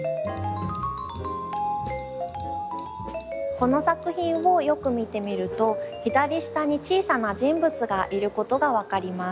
この作品をよく見てみると左下に小さな人物がいることが分かります。